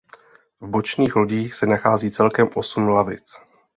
V bočních lodích se nachází celkem osm lavic.